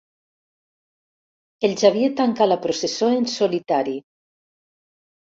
El Xavier tanca la processó en solitari.